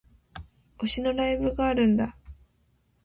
推しのライブがあるんだ